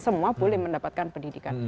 semua boleh mendapatkan pendidikan